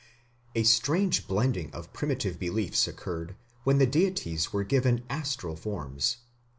A strange blending of primitive beliefs occurred when the deities were given astral forms.